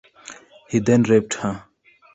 He then raped her.